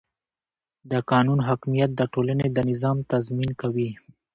د قانون حاکمیت د ټولنې د نظم تضمین کوي